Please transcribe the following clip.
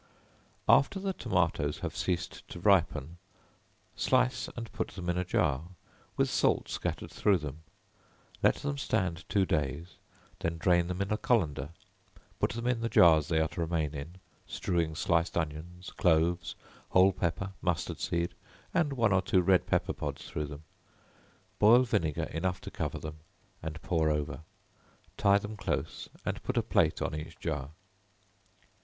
After the tomatoes have ceased to ripen, slice and put them in a jar, with salt scattered through them, let them stand two days, then drain them in a colander, put them in the jars they are to remain in, strewing sliced onions, cloves, whole pepper, mustard seed, and one or two red pepper pods through them, boil vinegar enough to cover them and pour over, tie them close and put a plate on each jar.